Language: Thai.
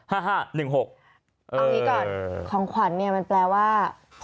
เอาอย่างนี้ก่อนของขวัญเนี่ยมันแปลว่า